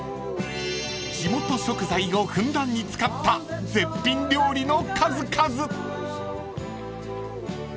［地元食材をふんだんに使った絶品料理の数々］